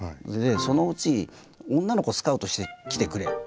そのうち「女の子スカウトしてきてくれ」って言われて。